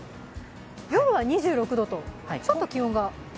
夜は２６度と、ちょっと気温が？